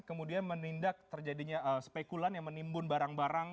kemudian menindak terjadinya spekulan yang menimbun barang barang